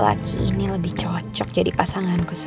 laki ini lebih cocok jadi pasanganku saja